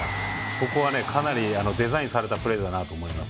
ここはかなりデザインされたプレーだなと思います。